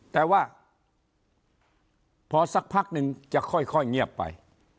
แต่ว่าพอสักพักนึงจะค่อยเงียบไป